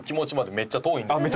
めっちゃ遠いですね。